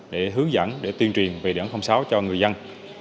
để hướng dẫn để tuyên truyền về đảng sáu cho người dân